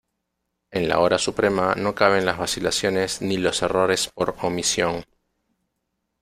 En la hora suprema no caben las vacilaciones ni los errores por omisión.